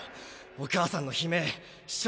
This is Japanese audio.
お母さんの悲鳴焦